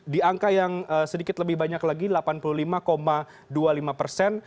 di angka yang sedikit lebih banyak lagi delapan puluh lima dua puluh lima persen